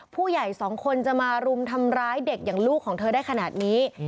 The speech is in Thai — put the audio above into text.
ผู้ใหญ่สองคนจะมารุมทำร้ายเด็กอย่างลูกของเธอได้ขนาดนี้